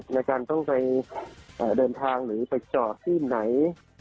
ในการต้องไปเดินทางหรือไปจอดที่ไหน